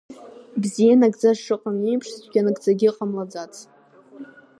Бзиа нагӡа шыҟам еиԥш, цәгьа нагӡагьы ҟамлаӡац!